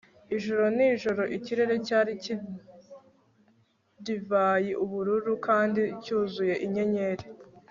Ijoro nijoro ikirere cyari divayiubururu kandi cyuzuye inyenyeri